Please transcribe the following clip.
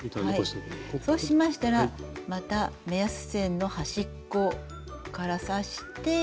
そうしましたらまた目安線の端っこから刺して。